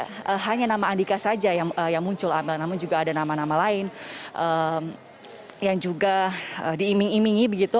tidak hanya nama andika saja yang muncul amel namun juga ada nama nama lain yang juga diiming imingi begitu